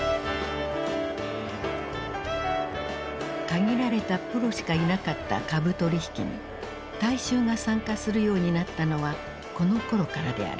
限られたプロしかいなかった株取引に大衆が参加するようになったのはこのころからである。